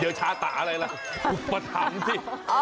เดี๋ยวชาตาอะไรล่ะมาถามสิ